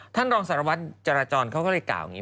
ท่านรองสารวัตรจราจรเขาก็เลยกล่าวอย่างนี้